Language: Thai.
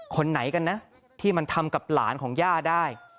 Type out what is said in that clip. คนไหนกันนะที่มันทำกับหลานของย่าได้